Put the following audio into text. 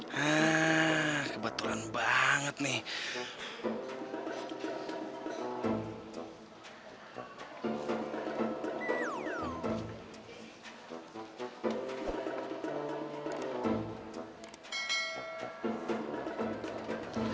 haa kebetulan banget nih